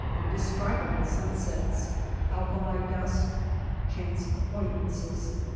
— INDESCRIBABLE SUNSETS. — ALKALI DUST. CHANCE ACQUAINTANCES.